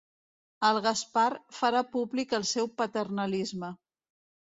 El Gaspar farà públic el seu paternalisme.